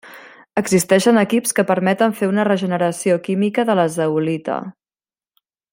Existeixen equips que permeten fer una regeneració química de la zeolita.